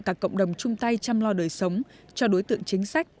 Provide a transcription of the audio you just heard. cả cộng đồng chung tay chăm lo đời sống cho đối tượng chính sách